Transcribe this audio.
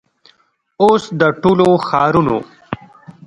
او س د ټولو ښارونو